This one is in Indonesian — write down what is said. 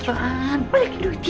tentang apa lagi duitnya